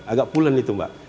agak pulen itu mbak